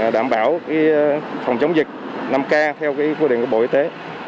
đảm bảo phòng chống dịch năm k theo quy định của bộ y tế